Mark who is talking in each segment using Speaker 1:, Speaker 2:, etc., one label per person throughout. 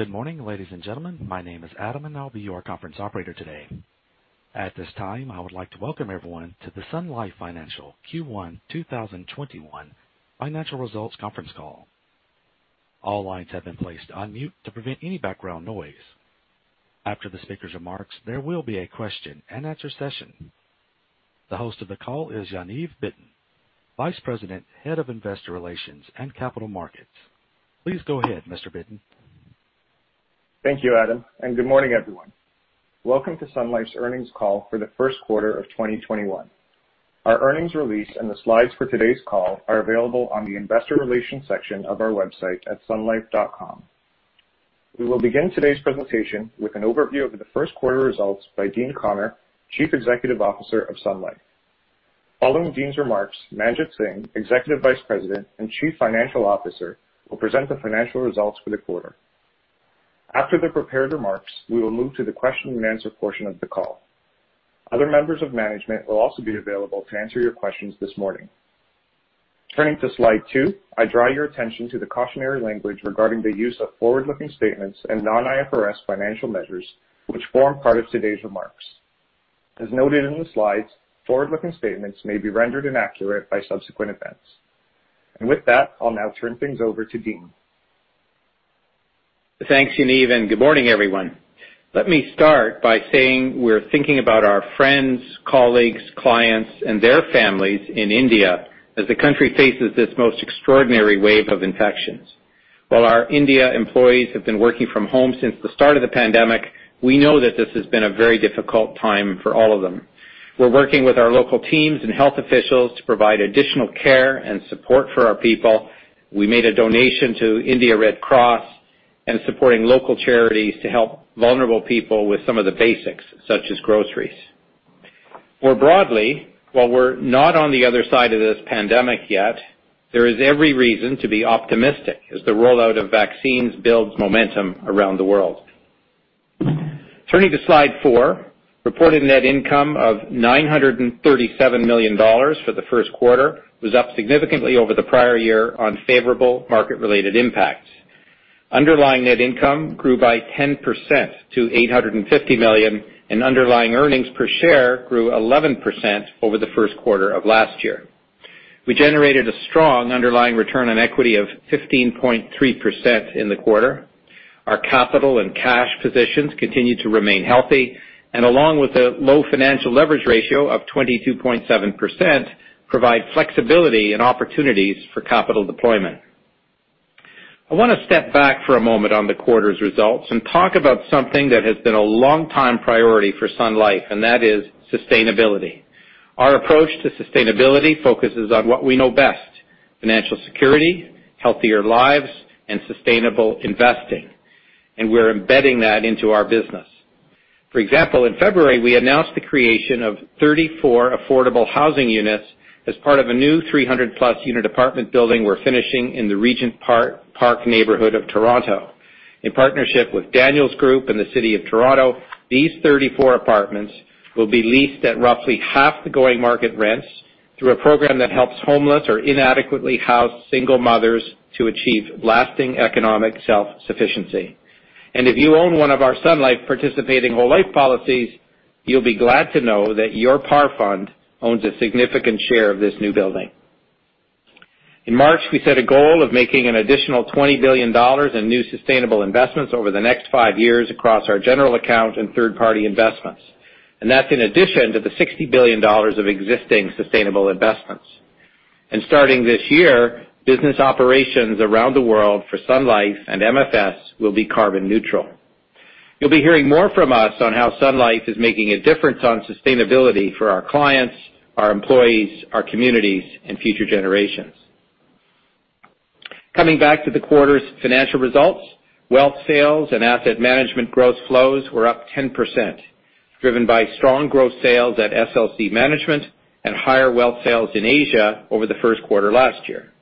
Speaker 1: Good morning, ladies and gentlemen. My name is Adam, and I'll be your conference operator today. At this time, I would like to welcome everyone to the Sun Life Financial Q1 2021 financial results conference call. All lines have been placed on mute to prevent any background noise. After the speaker's remarks, there will be a question and answer session. The host of the call is Yaniv Bitton, Vice President, Head of Investor Relations and Capital Markets. Please go ahead, Mr. Bitton.
Speaker 2: Thank you, Adam. Good morning, everyone. Welcome to Sun Life's earnings call for the first quarter of 2021. Our earnings release and the slides for today's call are available on the investor relations section of our website at sunlife.com. We will begin today's presentation with an overview of the first quarter results by Dean Connor, Chief Executive Officer of Sun Life. Following Dean's remarks, Manjit Singh, Executive Vice President and Chief Financial Officer, will present the financial results for the quarter. After the prepared remarks, we will move to the question and answer portion of the call. Other members of management will also be available to answer your questions this morning. Turning to slide two, I draw your attention to the cautionary language regarding the use of forward-looking statements and non-IFRS financial measures, which form part of today's remarks. As noted in the slides, forward-looking statements may be rendered inaccurate by subsequent events. With that, I'll now turn things over to Dean.
Speaker 3: Thanks, Yaniv. Good morning, everyone. Let me start by saying we're thinking about our friends, colleagues, clients, and their families in India as the country faces this most extraordinary wave of infections. While our India employees have been working from home since the start of the pandemic, we know that this has been a very difficult time for all of them. We're working with our local teams and health officials to provide additional care and support for our people. We made a donation to Indian Red Cross Society and supporting local charities to help vulnerable people with some of the basics such as groceries. More broadly, while we're not on the other side of this pandemic yet, there is every reason to be optimistic as the rollout of vaccines builds momentum around the world. Turning to slide four, reported net income of 937 million dollars for the first quarter was up significantly over the prior year on favorable market-related impacts. Underlying net income grew by 10% to 850 million, and underlying earnings per share grew 11% over the first quarter of last year. We generated a strong underlying return on equity of 15.3% in the quarter. Our capital and cash positions continued to remain healthy, and along with a low financial leverage ratio of 22.7%, provide flexibility and opportunities for capital deployment. I want to step back for a moment on the quarter's results and talk about something that has been a long time priority for Sun Life, and that is sustainability. Our approach to sustainability focuses on what we know best: financial security, healthier lives, and sustainable investing, and we're embedding that into our business. For example, in February, we announced the creation of 34 affordable housing units as part of a new 300+ unit apartment building we're finishing in the Regent Park neighborhood of Toronto. In partnership with Daniels Group and the City of Toronto, these 34 apartments will be leased at roughly half the going market rents through a program that helps homeless or inadequately housed single mothers to achieve lasting economic self-sufficiency. If you own one of our Sun Life participating whole life policies, you'll be glad to know that your par fund owns a significant share of this new building. In March, we set a goal of making an additional CAD 20 billion in new sustainable investments over the next five years across our general account and third-party investments. That's in addition to the 60 billion dollars of existing sustainable investments. Starting this year, business operations around the world for Sun Life and MFS will be carbon neutral. You'll be hearing more from us on how Sun Life is making a difference on sustainability for our clients, our employees, our communities, and future generations. Coming back to the quarter's financial results, wealth sales and asset management gross flows were up 10%, driven by strong gross sales at SLC Management and higher wealth sales in Asia over the first quarter last year.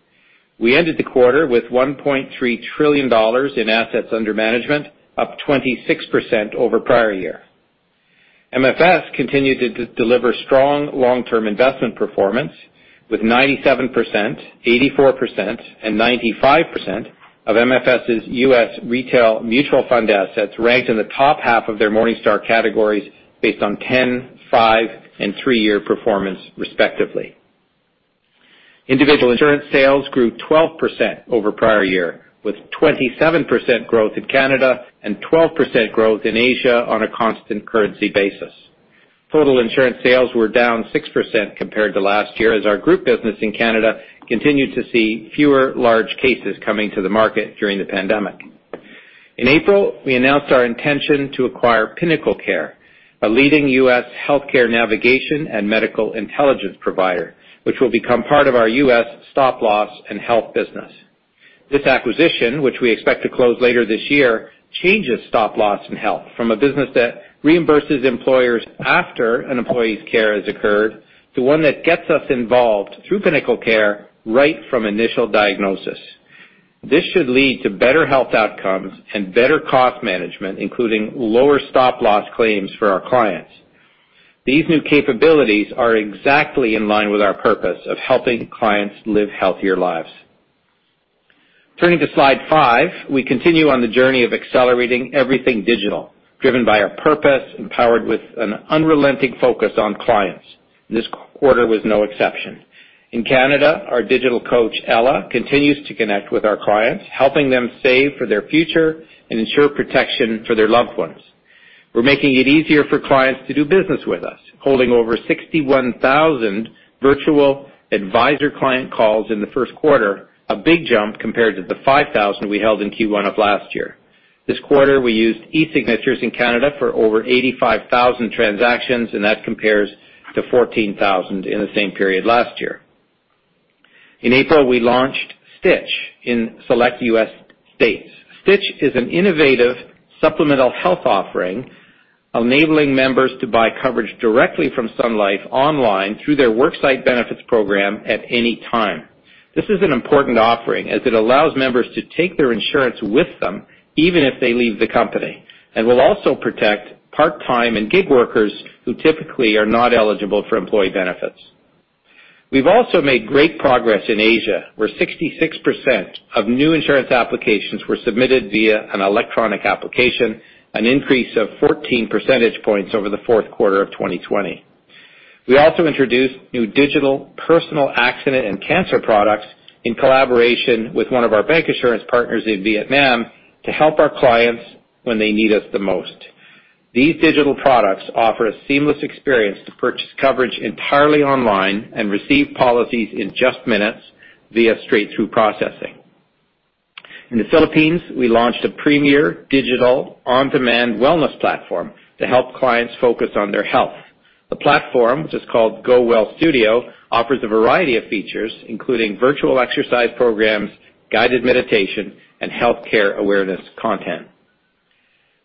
Speaker 3: We ended the quarter with 1.3 trillion dollars in assets under management, up 26% over prior year. MFS continued to deliver strong long-term investment performance with 97%, 84%, and 95% of MFS' U.S. Retail Mutual Fund assets ranked in the top half of their Morningstar categories based on 10, five, and three-year performance respectively. Individual insurance sales grew 12% over prior year, with 27% growth in Canada and 12% growth in Asia on a constant currency basis. Total insurance sales were down 6% compared to last year as our group business in Canada continued to see fewer large cases coming to the market during the pandemic. In April, we announced our intention to acquire PinnacleCare, a leading U.S. healthcare navigation and medical intelligence provider, which will become part of our U.S. Stop-Loss and Health business. This acquisition, which we expect to close later this year, changes Stop-Loss and Health from a business that reimburses employers after an employee's care has occurred to one that gets us involved through PinnacleCare right from initial diagnosis. This should lead to better health outcomes and better cost management, including lower stop-loss claims for our clients. These new capabilities are exactly in line with our purpose of helping clients live healthier lives. Turning to slide five, we continue on the journey of accelerating everything digital, driven by our purpose, empowered with an unrelenting focus on clients. This quarter was no exception. In Canada, our digital coach, Ella, continues to connect with our clients, helping them save for their future and ensure protection for their loved ones. We're making it easier for clients to do business with us, holding over 61,000 virtual advisor client calls in the first quarter, a big jump compared to the 5,000 we held in Q1 of last year. This quarter, we used e-signatures in Canada for over 85,000 transactions. That compares to 14,000 in the same period last year. In April, we launched Stitch in select U.S. states. Stitch is an innovative supplemental health offering, enabling members to buy coverage directly from Sun Life online through their worksite benefits program at any time. This is an important offering as it allows members to take their insurance with them even if they leave the company, and will also protect part-time and gig workers who typically are not eligible for employee benefits. We've also made great progress in Asia, where 66% of new insurance applications were submitted via an electronic application, an increase of 14 percentage points over the fourth quarter of 2020. We also introduced new digital personal accident and cancer products in collaboration with one of our bancassurance partners in Vietnam to help our clients when they need us the most. These digital products offer a seamless experience to purchase coverage entirely online and receive policies in just minutes via straight-through processing. In the Philippines, we launched a premier digital on-demand wellness platform to help clients focus on their health. The platform, which is called GoWell Studio, offers a variety of features, including virtual exercise programs, guided meditation, and healthcare awareness content.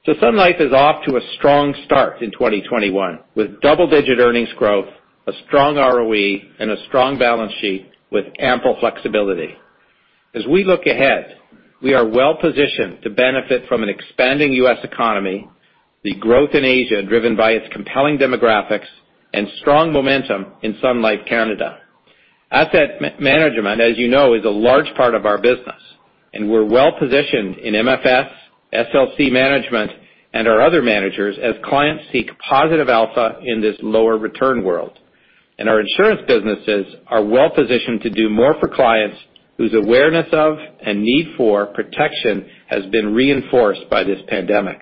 Speaker 3: Sun Life is off to a strong start in 2021, with double-digit earnings growth, a strong ROE, and a strong balance sheet with ample flexibility. As we look ahead, we are well-positioned to benefit from an expanding U.S. economy, the growth in Asia driven by its compelling demographics, and strong momentum in Sun Life Canada. Asset management, as you know, is a large part of our business, and we're well positioned in MFS, SLC Management, and our other managers as clients seek positive alpha in this lower return world. Our insurance businesses are well-positioned to do more for clients whose awareness of and need for protection has been reinforced by this pandemic.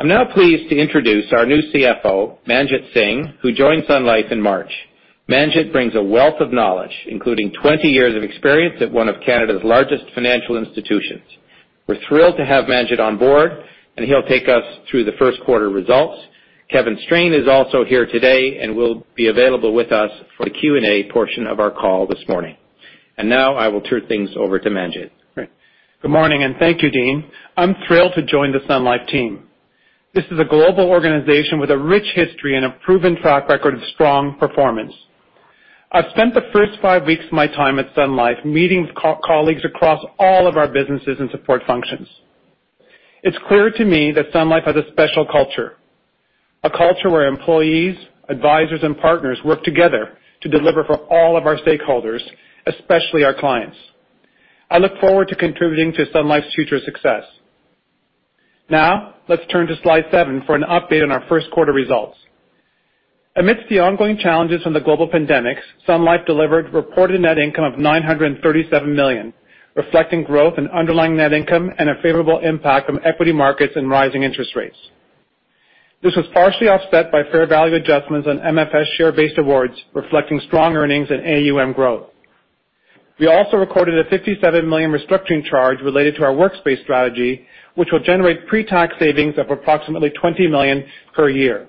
Speaker 3: I'm now pleased to introduce our new CFO, Manjit Singh, who joined Sun Life in March. Manjit brings a wealth of knowledge, including 20 years of experience at one of Canada's largest financial institutions. We're thrilled to have Manjit on board, and he'll take us through the first quarter results. Kevin Strain is also here today and will be available with us for the Q&A portion of our call this morning. Now I will turn things over to Manjit.
Speaker 4: Great. Good morning, thank you, Dean. I'm thrilled to join the Sun Life team. This is a global organization with a rich history and a proven track record of strong performance. I've spent the first five weeks of my time at Sun Life meeting colleagues across all of our businesses and support functions. It's clear to me that Sun Life has a special culture, a culture where employees, advisors, and partners work together to deliver for all of our stakeholders, especially our clients. I look forward to contributing to Sun Life's future success. Now let's turn to slide seven for an update on our first quarter results. Amidst the ongoing challenges from the global pandemics, Sun Life delivered reported net income of 937 million, reflecting growth in underlying net income and a favorable impact from equity markets and rising interest rates. This was partially offset by fair value adjustments on MFS share-based awards, reflecting strong earnings and AUM growth. We also recorded a 57 million restructuring charge related to our workspace strategy, which will generate pre-tax savings of approximately 20 million per year.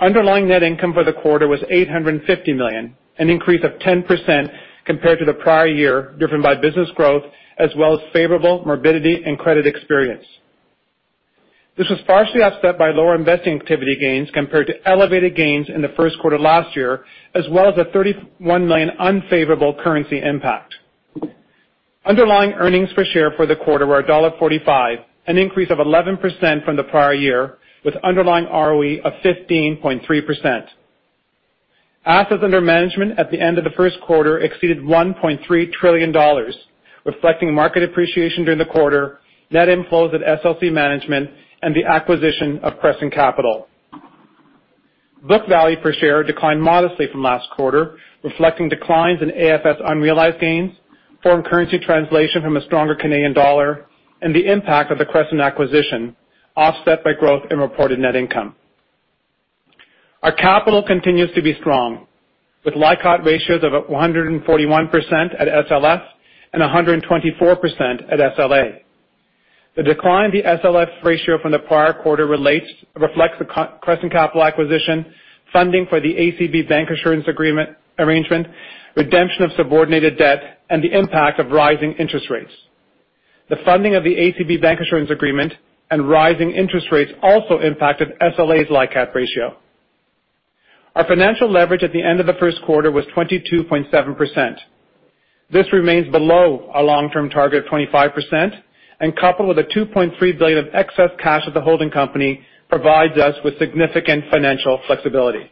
Speaker 4: Underlying net income for the quarter was 850 million, an increase of 10% compared to the prior year, driven by business growth as well as favorable morbidity and credit experience. This was partially offset by lower investing activity gains compared to elevated gains in the first quarter last year, as well as a 31 million unfavorable currency impact. Underlying earnings per share for the quarter were CAD 1.45, an increase of 11% from the prior year with underlying ROE of 15.3%. Assets under management at the end of the first quarter exceeded 1.3 trillion dollars, reflecting market appreciation during the quarter, net inflows at SLC Management, and the acquisition of Crescent Capital. Book value per share declined modestly from last quarter, reflecting declines in AFS unrealized gains, foreign currency translation from a stronger Canadian dollar, and the impact of the Crescent acquisition, offset by growth in reported net income. Our capital continues to be strong, with LICAT ratios of 141% at SLF and 124% at SLA. The decline in the SLF ratio from the prior quarter reflects the Crescent Capital acquisition, funding for the ACB bancassurance arrangement, redemption of subordinated debt, and the impact of rising interest rates. The funding of the ACB bancassurance agreement and rising interest rates also impacted SLA's LICAT ratio. Our financial leverage at the end of the first quarter was 22.7%. This remains below our long-term target of 25%, and coupled with a 2.3 billion of excess cash at the holding company, provides us with significant financial flexibility.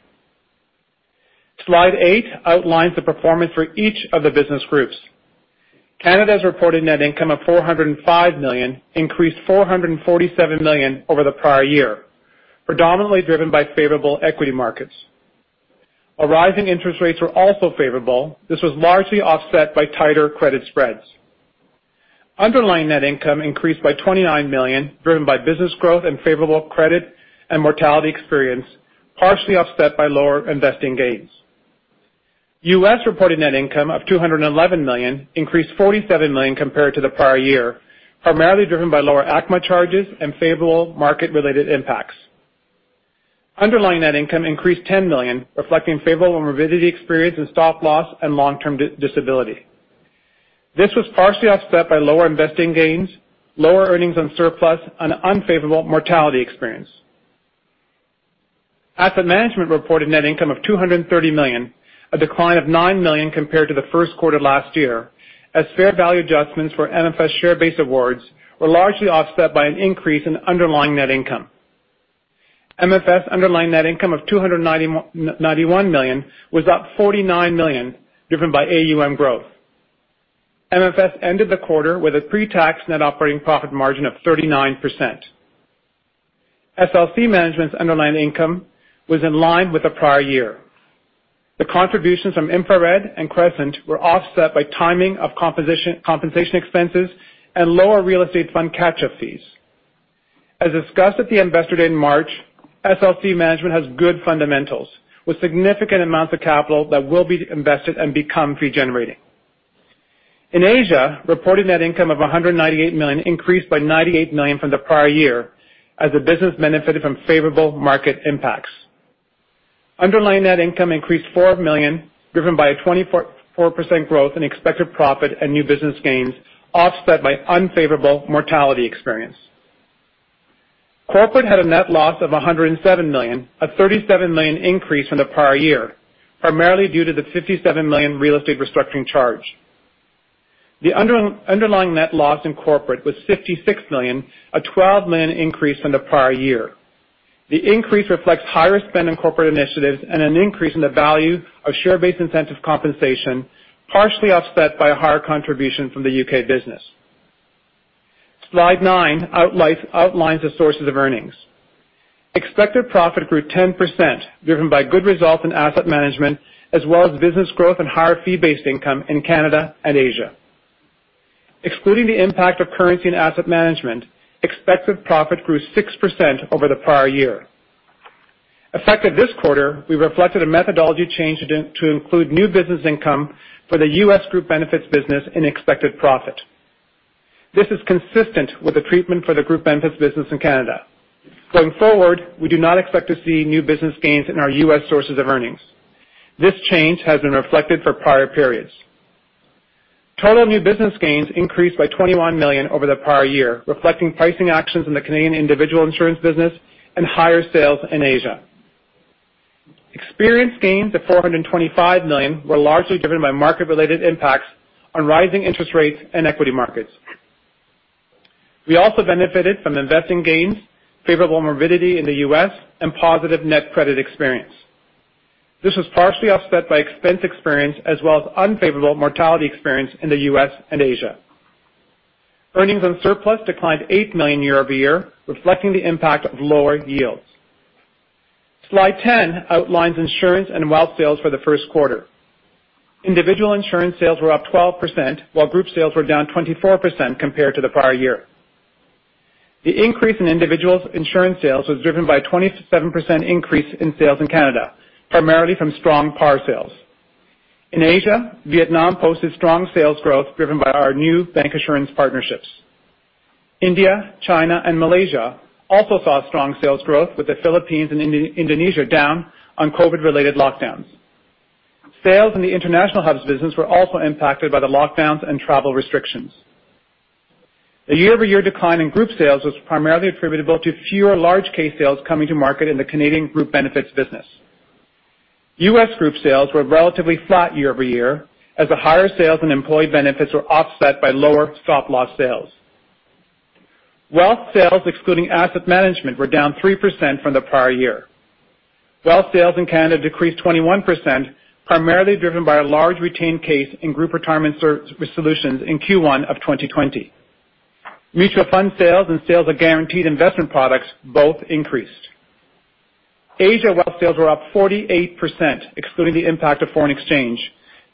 Speaker 4: Slide eight outlines the performance for each of the business groups. Canada's reported net income of 405 million increased 447 million over the prior year, predominantly driven by favorable equity markets. A rise in interest rates were also favorable. This was largely offset by tighter credit spreads. Underlying net income increased by 29 million, driven by business growth and favorable credit and mortality experience, partially offset by lower investing gains. U.S. reported net income of 211 million increased 47 million compared to the prior year, primarily driven by lower ACMA charges and favorable market-related impacts. Underlying net income increased 10 million, reflecting favorable morbidity experience and stop loss and long-term disability. This was partially offset by lower investing gains, lower earnings on surplus, and unfavorable mortality experience. Asset Management reported net income of 230 million, a decline of 9 million compared to the first quarter last year, as fair value adjustments for MFS share base awards were largely offset by an increase in underlying net income. MFS underlying net income of 291 million was up 49 million, driven by AUM growth. MFS ended the quarter with a pre-tax net operating profit margin of 39%. SLC Management's underlying income was in line with the prior year. The contributions from InfraRed and Crescent were offset by timing of compensation expenses and lower real estate fund catch-up fees. As discussed at the Investor Day in March, SLC Management has good fundamentals, with significant amounts of capital that will be invested and become fee generating. In Asia, reported net income of 198 million increased by 98 million from the prior year, as the business benefited from favorable market impacts. Underlying net income increased 4 million, driven by a 24% growth in expected profit and new business gains, offset by unfavorable mortality experience. Corporate had a net loss of 107 million, a 37 million increase from the prior year, primarily due to the 57 million real estate restructuring charge. The underlying net loss in Corporate was 56 million, a 12 million increase from the prior year. The increase reflects higher spend in corporate initiatives and an increase in the value of share-based incentive compensation, partially offset by a higher contribution from the U.K. business. Slide nine outlines the sources of earnings. Expected profit grew 10%, driven by good results in asset management, as well as business growth and higher fee-based income in Canada and Asia. Excluding the impact of currency and asset management, expected profit grew 6% over the prior year. Effective this quarter, we reflected a methodology change to include new business income for the U.S. group benefits business in expected profit. This is consistent with the treatment for the group benefits business in Canada. Going forward, we do not expect to see new business gains in our U.S. sources of earnings. This change has been reflected for prior periods. Total new business gains increased by CAD 21 million over the prior year, reflecting pricing actions in the Canadian individual insurance business and higher sales in Asia. Experience gains of 425 million were largely driven by market-related impacts on rising interest rates and equity markets. We also benefited from investing gains, favorable morbidity in the U.S., and positive net credit experience. This was partially offset by expense experience as well as unfavorable mortality experience in the U.S. and Asia. Earnings on surplus declined 8 million year-over-year, reflecting the impact of lower yields. Slide 10 outlines insurance and wealth sales for the first quarter. Individual insurance sales were up 12%, while group sales were down 24% compared to the prior year. The increase in individual insurance sales was driven by a 27% increase in sales in Canada, primarily from strong PAR sales. In Asia, Vietnam posted strong sales growth driven by our new bancassurance partnerships. India, China, and Malaysia also saw strong sales growth with the Philippines and Indonesia down on COVID-related lockdowns. Sales in the international hubs business were also impacted by the lockdowns and travel restrictions. The year-over-year decline in group sales was primarily attributable to fewer large case sales coming to market in the Canadian group benefits business. U.S. group sales were relatively flat year-over-year, as the higher sales and employee benefits were offset by lower stop loss sales. Wealth sales, excluding asset management, were down 3% from the prior year. Wealth sales in Canada decreased 21%, primarily driven by a large retained case in group retirement solutions in Q1 of 2020. Mutual fund sales and sales of guaranteed investment products both increased. Asia wealth sales were up 48%, excluding the impact of foreign exchange,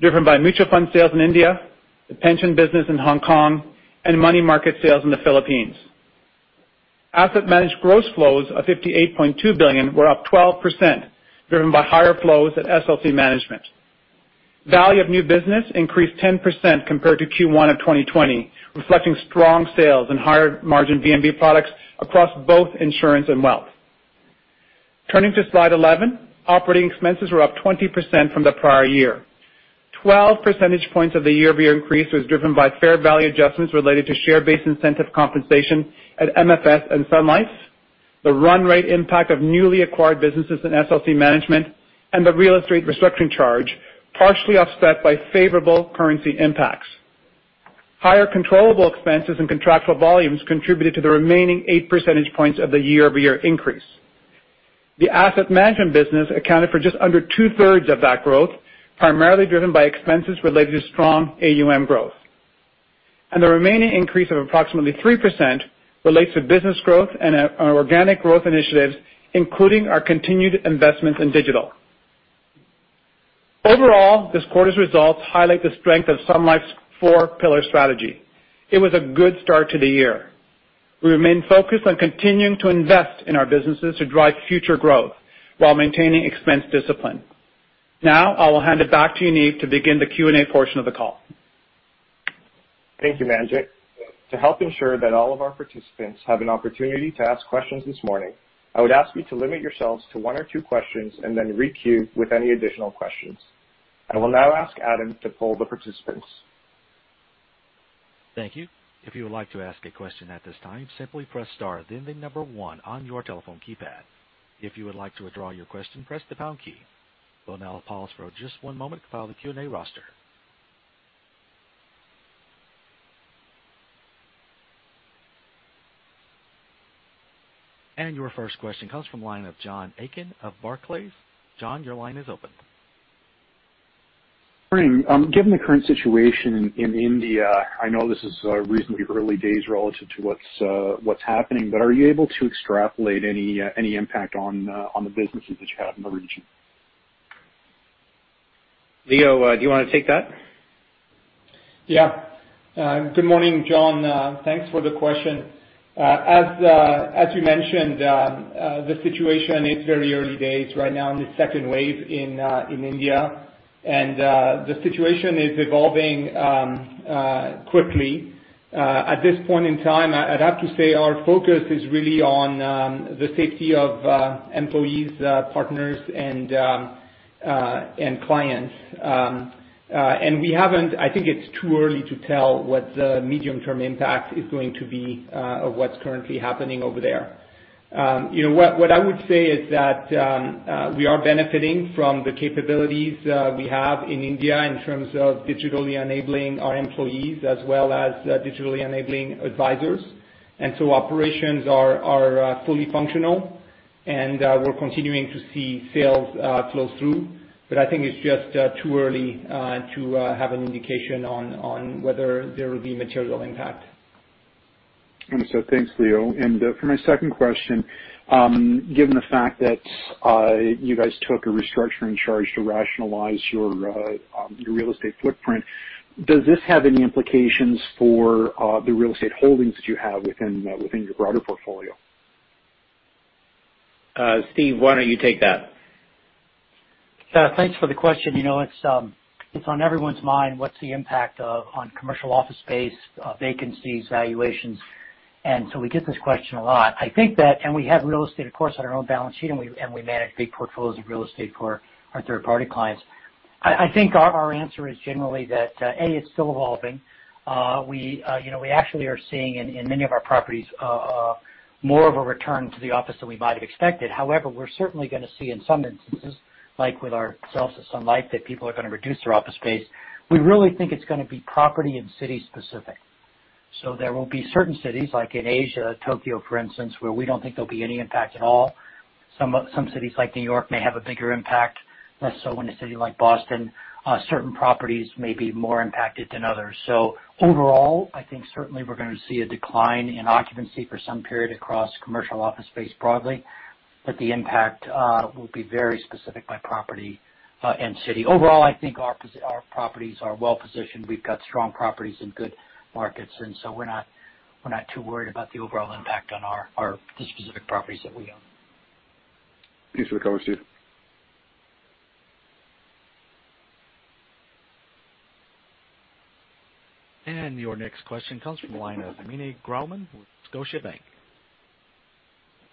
Speaker 4: driven by mutual fund sales in India, the pension business in Hong Kong, and money market sales in the Philippines. Asset managed gross flows of 58.2 billion were up 12%, driven by higher flows at SLC Management. Value of new business increased 10% compared to Q1 of 2020, reflecting strong sales and higher margin B&B products across both insurance and wealth. Turning to slide 11, operating expenses were up 20% from the prior year. 12 percentage points of the year-over-year increase was driven by fair value adjustments related to share-based incentive compensation at MFS and Sun Life, the run rate impact of newly acquired businesses in SLC Management, and the real estate restructuring charge, partially offset by favorable currency impacts. Higher controllable expenses and contractual volumes contributed to the remaining eight percentage points of the year-over-year increase. The asset management business accounted for just under two-thirds of that growth, primarily driven by expenses related to strong AUM growth. The remaining increase of approximately 3% relates to business growth and our organic growth initiatives, including our continued investments in digital. Overall, this quarter's results highlight the strength of Sun Life's four pillar strategy. It was a good start to the year. We remain focused on continuing to invest in our businesses to drive future growth while maintaining expense discipline. I will hand it back to Yaniv to begin the Q&A portion of the call.
Speaker 2: Thank you, Manjit. To help ensure that all of our participants have an opportunity to ask questions this morning, I would ask you to limit yourselves to one or two questions and then re-queue with any additional questions. I will now ask Adam to poll the participants.
Speaker 1: Thank you. If you would like to ask a question at this time, simply press star, then the number one on your telephone keypad. If you would like to withdraw your question, press the pound key. We'll now pause for just one moment to file the Q&A roster. Your first question comes from the line of John Aiken of Barclays. John, your line is open.
Speaker 5: Morning. Given the current situation in India, I know this is reasonably early days relative to what's happening, are you able to extrapolate any impact on the businesses that you have in the region?
Speaker 3: Léo do you want to take that?
Speaker 6: Yeah. Good morning, John. Thanks for the question. As you mentioned, the situation is very early days right now in the second wave in India, and the situation is evolving quickly. At this point in time, I'd have to say our focus is really on the safety of employees, partners, and clients. I think it's too early to tell what the medium-term impact is going to be of what's currently happening over there. What I would say is that we are benefiting from the capabilities we have in India in terms of digitally enabling our employees as well as digitally enabling advisors. Operations are fully functional, and we're continuing to see sales flow through. I think it's just too early to have an indication on whether there will be material impact.
Speaker 5: Understood. Thanks, Léo. For my second question, given the fact that you guys took a restructuring charge to rationalize your real estate footprint, does this have any implications for the real estate holdings that you have within your broader portfolio?
Speaker 3: Steve, why don't you take that?
Speaker 7: Thanks for the question. It's on everyone's mind what's the impact on commercial office space vacancies, valuations. We get this question a lot. We have real estate, of course, on our own balance sheet, and we manage big portfolios of real estate for our third-party clients. I think our answer is generally that, A, it's still evolving. We actually are seeing in many of our properties more of a return to the office than we might have expected. However, we're certainly going to see in some instances, like with ourselves at Sun Life, that people are going to reduce their office space. We really think it's going to be property and city specific. There will be certain cities like in Asia, Tokyo, for instance, where we don't think there'll be any impact at all. Some cities like New York may have a bigger impact, less so in a city like Boston. Certain properties may be more impacted than others. Overall, I think certainly we're going to see a decline in occupancy for some period across commercial office space broadly, but the impact will be very specific by property and city. Overall, I think our properties are well-positioned. We've got strong properties and good markets, and so we're not too worried about the overall impact on the specific properties that we own.
Speaker 5: Thanks for the color, Steve.
Speaker 1: Your next question comes from the line of Meny Grauman with Scotiabank.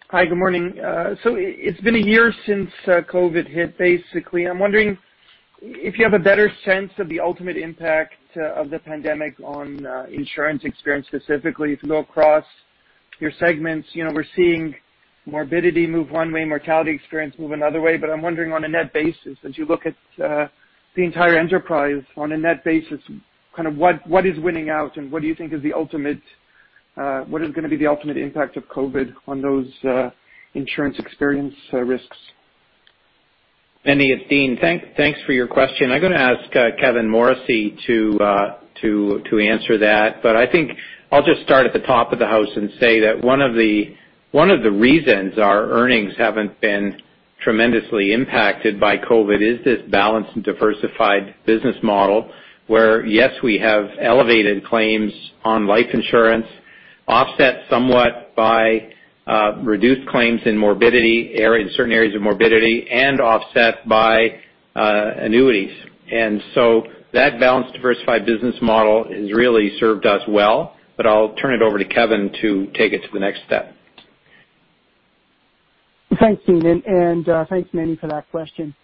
Speaker 8: Hi, good morning. It's been a year since COVID hit, basically. I'm wondering if you have a better sense of the ultimate impact of the pandemic on insurance experience specifically. If you go across your segments, we're seeing morbidity move one way, mortality experience move another way. I'm wondering on a net basis, as you look at the entire enterprise on a net basis, what is winning out and what do you think is going to be the ultimate impact of COVID on those insurance experience risks?
Speaker 3: Meny, it's Dean. Thanks for your question. I'm going to ask Kevin Morrissey to answer that. I think I'll just start at the top of the house and say that one of the reasons our earnings haven't been tremendously impacted by COVID is this balanced and diversified business model where, yes, we have elevated claims on life insurance offset somewhat by reduced claims in certain areas of morbidity and offset by annuities. That balanced, diversified business model has really served us well, I'll turn it over to Kevin to take it to the next step.
Speaker 9: Thanks, Dean, and thanks, Meny, for that question.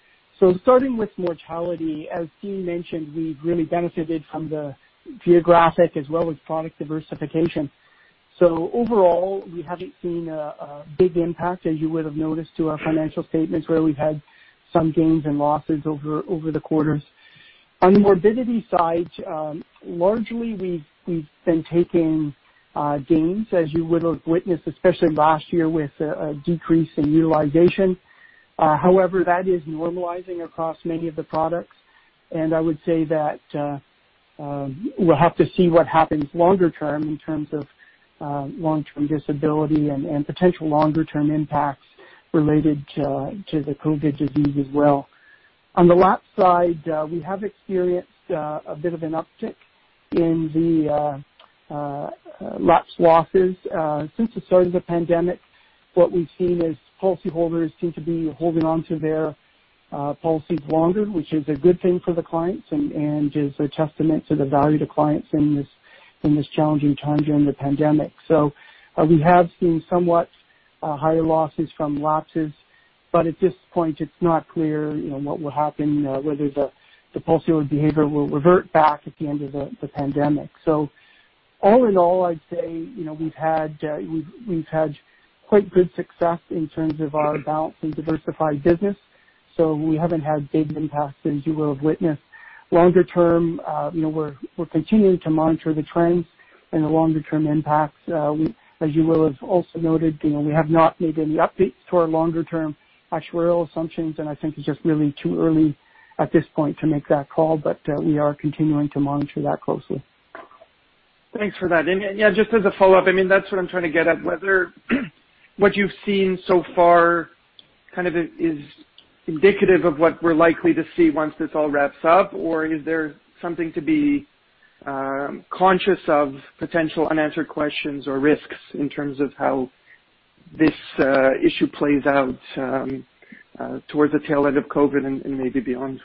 Speaker 9: Starting with mortality, as Dean mentioned, we've really benefited from the geographic as well as product diversification. Overall, we haven't seen a big impact, as you would have noticed to our financial statements, where we've had some gains and losses over the quarters. On the morbidity side, largely, we've been taking gains, as you would have witnessed, especially last year, with a decrease in utilization. However, that is normalizing across many of the products, and I would say that we'll have to see what happens longer term in terms of long-term disability and potential longer-term impacts related to the COVID disease as well. On the lapse side, we have experienced a bit of an uptick in the lapse losses. Since the start of the pandemic, what we've seen is policyholders seem to be holding on to their policies longer, which is a good thing for the clients and is a testament to the value to clients in this challenging time during the pandemic. We have seen somewhat higher losses from lapses, but at this point, it's not clear what will happen, whether the policyholder behavior will revert back at the end of the pandemic. All in all, I'd say we've had quite good success in terms of our balanced and diversified business, so we haven't had big impacts as you will have witnessed. Longer term, we're continuing to monitor the trends and the longer-term impacts. As you will have also noted, we have not made any updates to our longer-term actuarial assumptions, and I think it's just really too early at this point to make that call. We are continuing to monitor that closely.
Speaker 8: Thanks for that. Yeah, just as a follow-up, that's what I'm trying to get at. Whether what you've seen so far kind of is indicative of what we're likely to see once this all wraps up, or is there something to be conscious of potential unanswered questions or risks in terms of how this issue plays out towards the tail end of COVID and maybe beyond?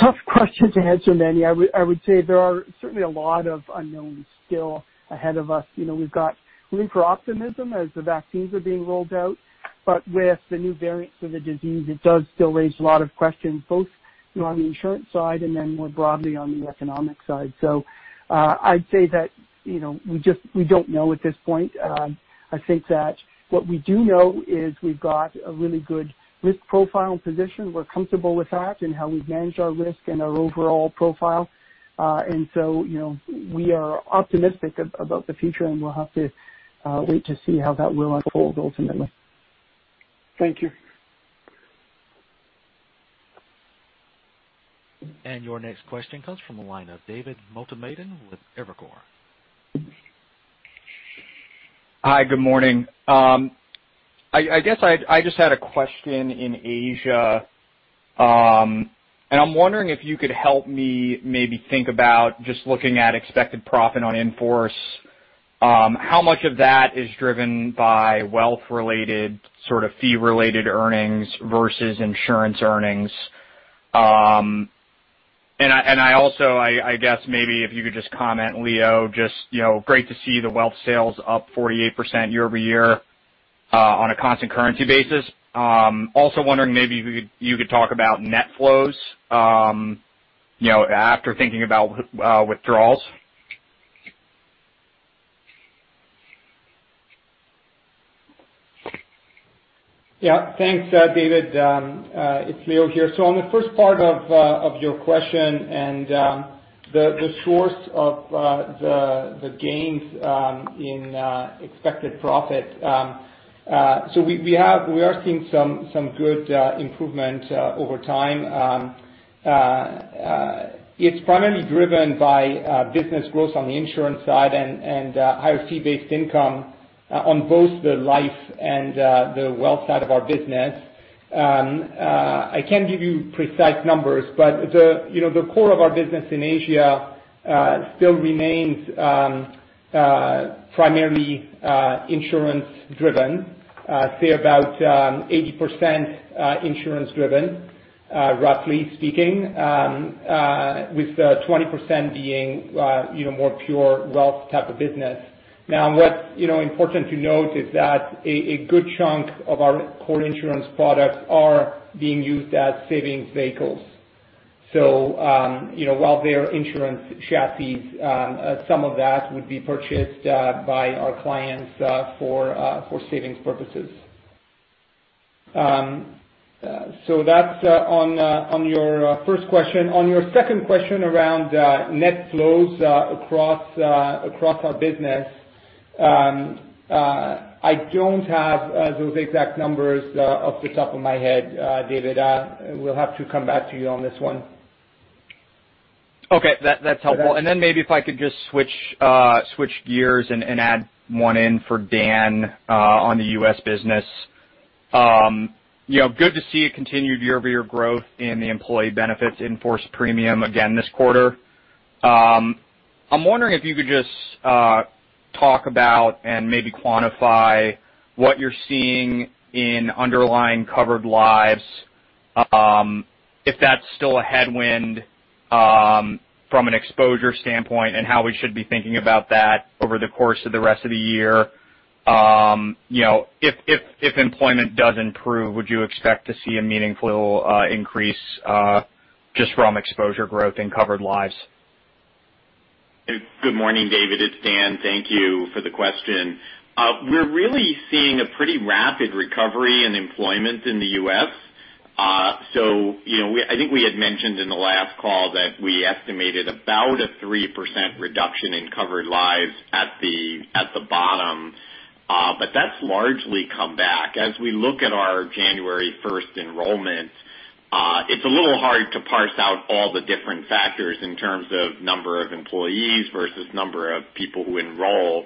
Speaker 9: Tough question to answer, Meny. I would say there are certainly a lot of unknowns still ahead of us. We've got room for optimism as the vaccines are being rolled out, with the new variants of the disease, it does still raise a lot of questions, both on the insurance side and then more broadly on the economic side. I'd say that we don't know at this point. I think that what we do know is we've got a really good risk profile position. We're comfortable with that and how we've managed our risk and our overall profile. We are optimistic about the future, and we'll have to wait to see how that will unfold ultimately.
Speaker 8: Thank you.
Speaker 1: Your next question comes from the line of David Motemaden with Evercore.
Speaker 10: Hi, good morning. I guess I just had a question in Asia. I'm wondering if you could help me maybe think about just looking at expected profit on in-force. How much of that is driven by wealth-related sort of fee-related earnings versus insurance earnings? I also, I guess maybe if you could just comment, Léo, just great to see the wealth sales up 48% year-over-year on a constant currency basis. Also wondering maybe if you could talk about net flows after thinking about withdrawals.
Speaker 6: Thanks, David. It's Léo here. On the first part of your question and the source of the gains in expected profit. We are seeing some good improvement over time. It's primarily driven by business growth on the insurance side and higher fee-based income on both the life and the wealth side of our business. I can't give you precise numbers, but the core of our business in Asia still remains primarily insurance-driven. Say about 80% insurance-driven, roughly speaking, with 20% being more pure wealth type of business. What's important to note is that a good chunk of our core insurance products are being used as savings vehicles. While they are insurance chassis, some of that would be purchased by our clients for savings purposes. That's on your first question. On your second question around net flows across our business, I don't have those exact numbers off the top of my head, David. We'll have to come back to you on this one.
Speaker 10: Okay, that's helpful. Maybe if I could just switch gears and add one in for Dan on the U.S. business. Good to see a continued year-over-year growth in the employee benefits in-force premium again this quarter. I'm wondering if you could just talk about and maybe quantify what you're seeing in underlying covered lives. If that's still a headwind from an exposure standpoint, and how we should be thinking about that over the course of the rest of the year, if employment does improve, would you expect to see a meaningful increase just from exposure growth in covered lives?
Speaker 11: Good morning, David. It's Dan. Thank you for the question. We're really seeing a pretty rapid recovery in employment in the U.S. I think we had mentioned in the last call that we estimated about a 3% reduction in covered lives at the bottom. That's largely come back. As we look at our January 1st enrollment, it's a little hard to parse out all the different factors in terms of number of employees versus number of people who enroll.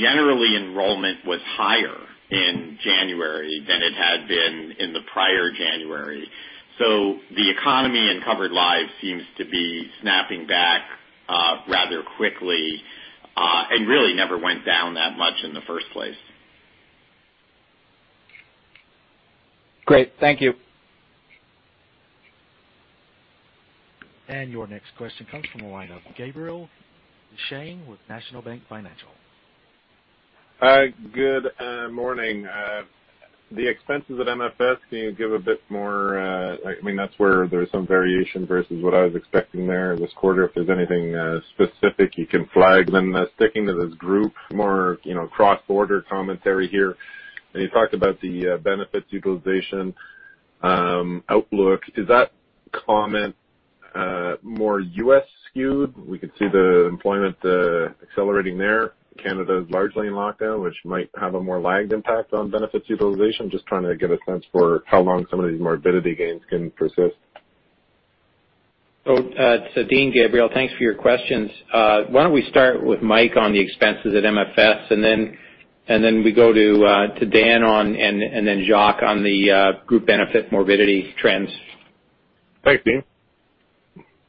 Speaker 11: Generally, enrollment was higher in January than it had been in the prior January. The economy and covered lives seems to be snapping back rather quickly, and really never went down that much in the first place.
Speaker 10: Great. Thank you.
Speaker 1: Your next question comes from the line of Gabriel Dechaine with National Bank Financial.
Speaker 12: Good morning. The expenses at MFS, can you give a bit more? That's where there's some variation versus what I was expecting there this quarter. If there's anything specific you can flag. Sticking to this group more cross-border commentary here, you talked about the benefits utilization outlook. Is that comment more U.S. skewed? We could see the employment accelerating there. Canada is largely in lockdown, which might have a more lagged impact on benefits utilization. Just trying to get a sense for how long some of these morbidity gains can persist.
Speaker 3: It's Dean, Gabriel. Thanks for your questions. Why don't we start with Mike on the expenses at MFS, and then we go to Dan and then Jacques on the group benefit morbidity trends.
Speaker 12: Thanks, Dean.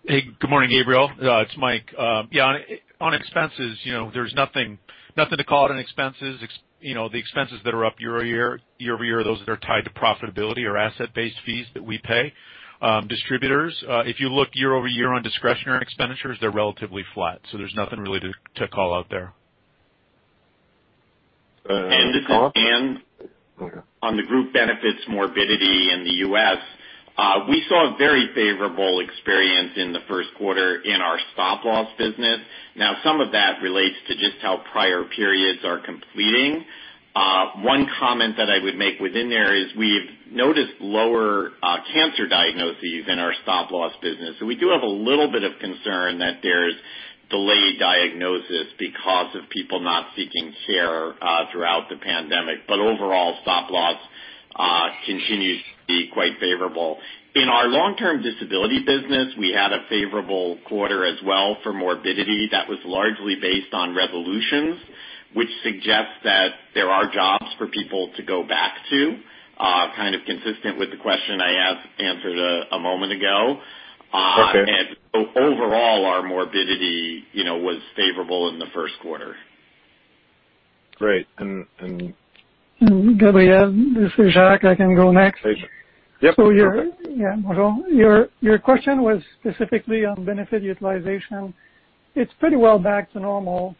Speaker 13: Hey, good morning, Gabriel. It's Mike. Yeah, on expenses, there's nothing to call it on expenses. The expenses that are up year-over-year, those that are tied to profitability or asset-based fees that we pay. Distributors, if you look year-over-year on discretionary expenditures, they're relatively flat. There's nothing really to call out there.
Speaker 11: This is Dan. On the group benefits morbidity in the U.S., we saw a very favorable experience in the first quarter in our stop loss business. Some of that relates to just how prior periods are completing. One comment that I would make within there is we've noticed lower cancer diagnoses in our stop loss business. We do have a little bit of concern that there's delayed diagnosis because of people not seeking care throughout the pandemic. Overall, stop loss continues to be quite favorable. In our long-term disability business, we had a favorable quarter as well for morbidity that was largely based on resolutions, which suggests that there are jobs for people to go back to, kind of consistent with the question I answered a moment ago.
Speaker 12: Okay.
Speaker 11: Overall, our morbidity was favorable in the first quarter.
Speaker 12: Great.
Speaker 14: Gabriel, this is Jacques. I can go next.
Speaker 12: Yeah, perfect.
Speaker 14: Your question was specifically on benefit utilization. It's pretty well back to normal.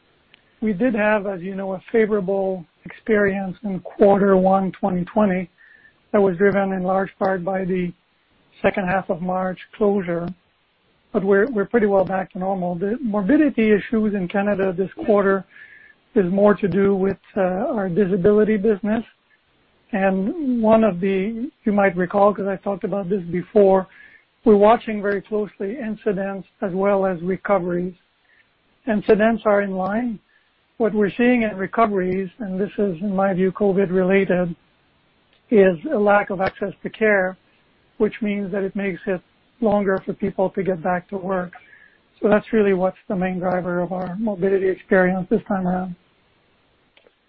Speaker 14: We did have, as you know, a favorable experience in quarter one 2020 that was driven in large part by the second half of March closure, but we're pretty well back to normal. The morbidity issues in Canada this quarter is more to do with our disability business. One of the, you might recall, because I've talked about this before, we're watching very closely incidents as well as recoveries. Incidents are in line. What we're seeing in recoveries, and this is in my view, COVID related, is a lack of access to care, which means that it makes it longer for people to get back to work. That's really what's the main driver of our morbidity experience this time around.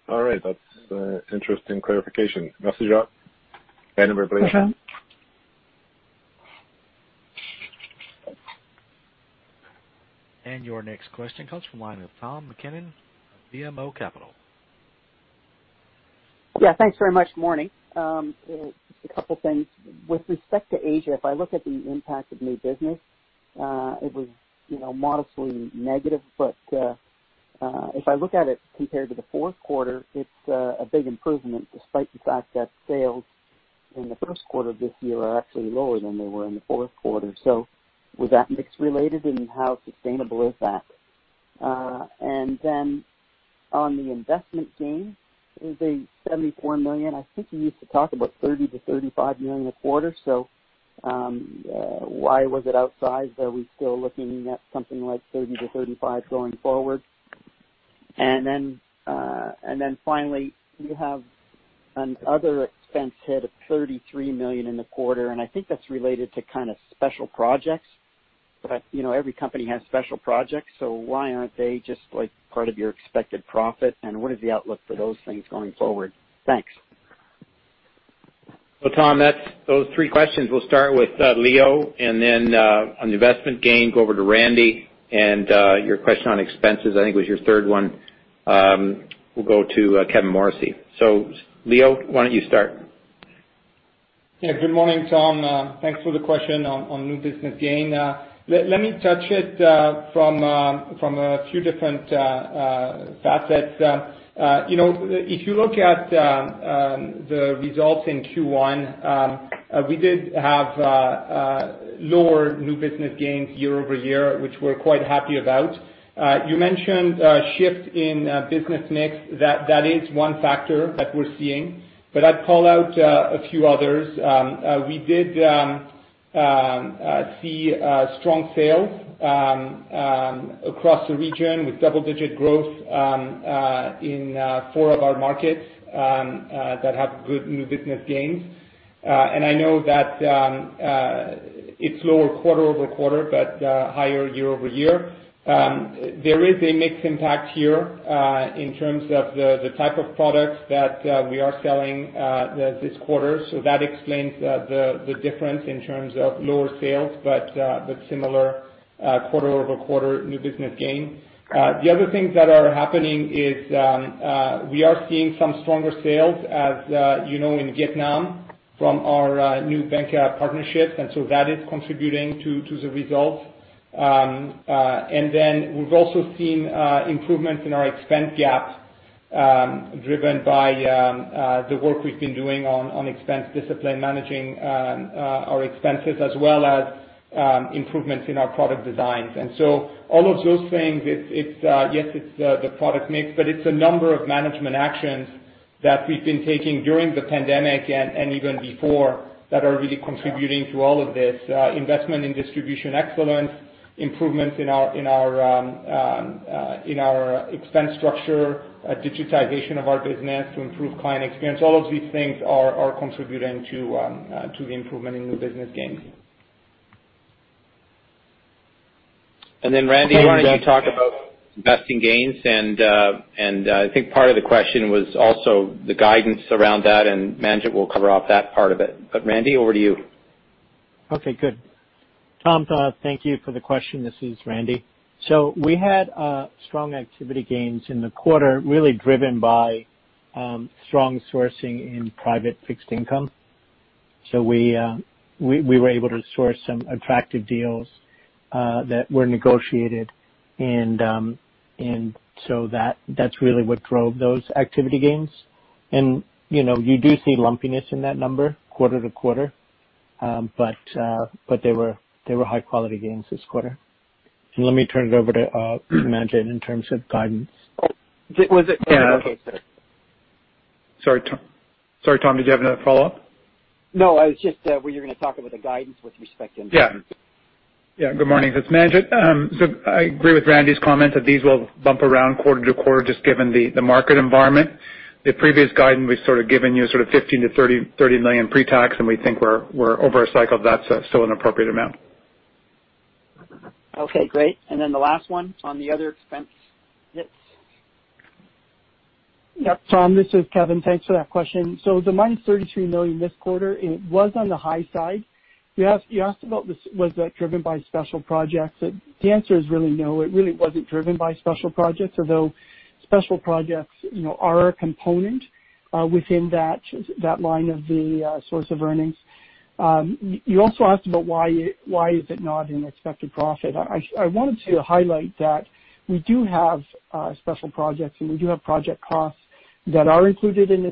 Speaker 12: All right. That's interesting clarification. Merci, Jacques, and everybody.
Speaker 14: Okay.
Speaker 1: Your next question comes from the line of Tom MacKinnon of BMO Capital.
Speaker 15: Yeah, thanks very much. Morning. Just a couple of things. With respect to Asia, if I look at the impact of new business, it was modestly negative. If I look at it compared to the fourth quarter, it's a big improvement despite the fact that sales in the first quarter of this year are actually lower than they were in the fourth quarter. Was that mix related, and how sustainable is that? On the investment gain, it was a 74 million. I think you used to talk about 30 million-35 million a quarter. Why was it outsized? Are we still looking at something like 30-35 going forward? Finally, you have an other expense hit of 33 million in the quarter, and I think that's related to kind of special projects. Every company has special projects, so why aren't they just part of your expected profit, and what is the outlook for those things going forward? Thanks.
Speaker 3: Well, Tom, those three questions, we'll start with Léo, and then on investment gain, go over to Randy, and your question on expenses, I think was your third one. We'll go to Kevin Morrissey. Léo, why don't you start?
Speaker 6: Good morning, Tom. Thanks for the question on new business gain. Let me touch it from a few different facets. If you look at the results in Q1, we did have lower new business gains year-over-year, which we're quite happy about. You mentioned a shift in business mix. That is one factor that we're seeing. I'd call out a few others. We did see strong sales across the region with double-digit growth in four of our markets that have good new business gains. I know that it's lower quarter-over-quarter, but higher year-over-year. There is a mixed impact here in terms of the type of products that we are selling this quarter, so that explains the difference in terms of lower sales, but similar quarter-over-quarter new business gain. The other things that are happening is we are seeing some stronger sales, as you know, in Vietnam from our new bank partnership. That is contributing to the results. Then we've also seen improvements in our expense gap driven by the work we've been doing on expense discipline, managing our expenses as well as improvements in our product designs. All of those things, yes, it's the product mix, but it's a number of management actions that we've been taking during the pandemic and even before that are really contributing to all of this. Investment in distribution excellence, improvements in our expense structure, digitization of our business to improve client experience. All of these things are contributing to the improvement in new business gains.
Speaker 3: Randy, why don't you talk about investing gains, and I think part of the question was also the guidance around that, and Manjit will cover off that part of it. Randy, over to you.
Speaker 16: Okay, good. Tom, thank you for the question. This is Randy. We had strong activity gains in the quarter, really driven by strong sourcing in private fixed income. We were able to source some attractive deals that were negotiated. That's really what drove those activity gains. You do see lumpiness in that number quarter to quarter. They were high-quality gains this quarter. Let me turn it over to Manjit in terms of guidance.
Speaker 15: Oh. Yeah. Okay, sorry.
Speaker 4: Sorry, Tom. Did you have another follow-up?
Speaker 15: No, were you going to talk about the guidance with respect to investment?
Speaker 4: Yeah. Yeah. Good morning. This is Manjit. I agree with Randy's comment that these will bump around quarter to quarter just given the market environment. The previous guidance we've sort of given you is sort of 15 million-30 million pre-tax, and we think we're over a cycle. That's still an appropriate amount.
Speaker 15: Okay, great. Then the last one on the other expense mix.
Speaker 9: Yeah. Tom, this is Kevin. Thanks for that question. The -33 million this quarter, it was on the high side. You asked about was that driven by special projects? The answer is really no. It really wasn't driven by special projects, although special projects are a component within that line of the source of earnings. You also asked about why is it not in expected profit. I wanted to highlight that we do have special projects, and we do have project costs that are included in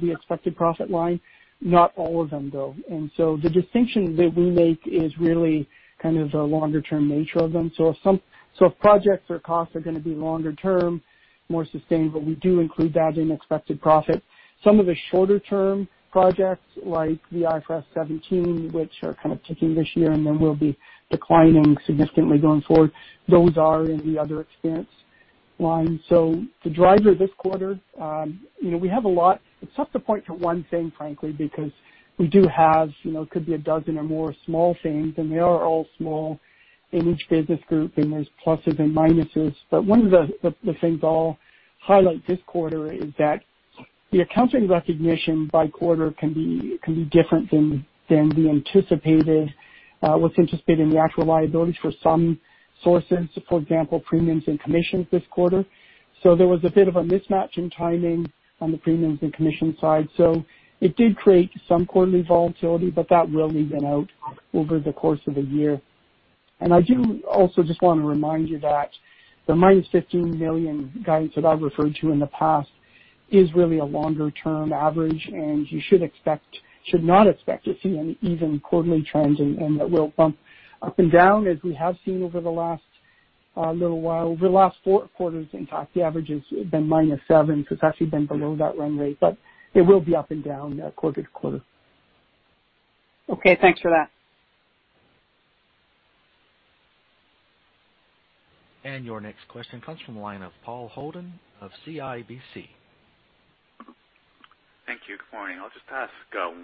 Speaker 9: the expected profit line. Not all of them, though. The distinction that we make is really kind of the longer-term nature of them. If projects or costs are going to be longer term, more sustainable, we do include that in expected profit. Some of the shorter-term projects, like the IFRS 17, which are kind of ticking this year and then will be declining significantly going forward, those are in the other expense line. The driver this quarter, it's tough to point to one thing, frankly, because we do have, could be a dozen or more small things, and they are all small in each business group, and there's plusses and minuses. One of the things I'll highlight this quarter is that the accounting recognition by quarter can be different than what's anticipated in the actual liabilities for some sources, for example, premiums and commissions this quarter. There was a bit of a mismatch in timing on the premiums and commission side. It did create some quarterly volatility, but that will even out over the course of the year. I do also just want to remind you that the -15 million guidance that I've referred to in the past is really a longer-term average, and you should not expect to see any even quarterly trends, and that will bump up and down as we have seen over the last little while. Over the last four quarters, in fact, the average has been -7. It's actually been below that run rate, but it will be up and down quarter to quarter.
Speaker 15: Okay. Thanks for that.
Speaker 1: Your next question comes from the line of Paul Holden of CIBC.
Speaker 17: Thank you. Good morning. I'll just ask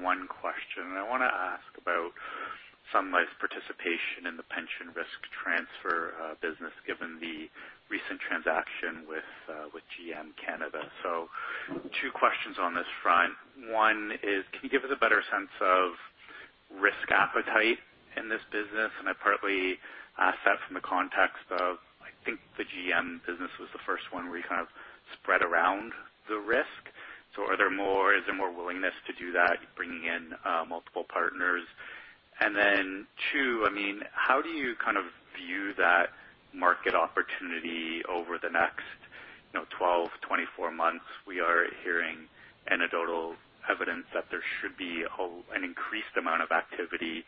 Speaker 17: one question. I want to ask about Sun Life's participation in the pension risk transfer business, given the recent transaction with GM Canada. Two questions on this front. One is, can you give us a better sense of risk appetite in this business? Partly that from the context of, I think the GM business was the first one where you kind of spread around the risk. Is there more willingness to do that, bringing in multiple partners? Two, how do you view that market opportunity over the next 12, 24 months? We are hearing anecdotal evidence that there should be an increased amount of activity,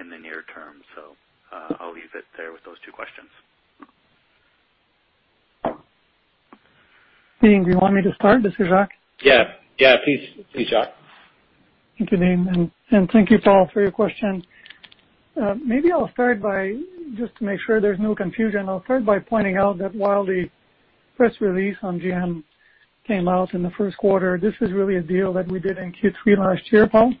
Speaker 17: in the near term. I'll leave it there with those two questions.
Speaker 14: Dean, do you want me to start? This is Jacques.
Speaker 3: Yeah. Please, Jacques.
Speaker 14: Thank you, Dean, and thank you, Paul, for your question. Maybe I'll start by just to make sure there's no confusion. I'll start by pointing out that while the press release on GM came out in the first quarter, this is really a deal that we did in Q3 last year, Paul.